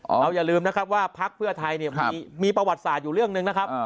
อย่าลืมนะครับว่าพักเพื่อไทยเนี่ยมีประวัติศาสตร์อยู่เรื่องหนึ่งนะครับ